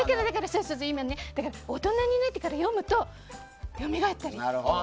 大人になってから読むとよみがえったり。